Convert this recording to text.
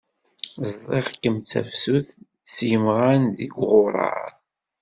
Ẓḍiɣ-kem d tafsut s yimɣan deg uɣuṛaṛ.